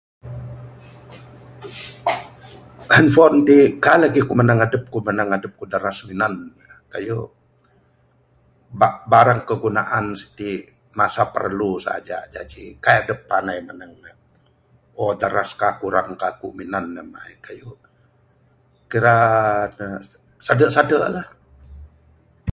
Handpon tik kai lagik akuk manang adup manang adup kuk daras minan ne. Kayuh bak barang kegunaan sitik masa perlu saja. Jaji kai dup pandai menang ne, oh daras kah kurang kah kuk minan ne kayuh. Kira ne sadu'- sadu' lah.